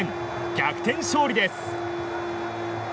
逆転勝利です！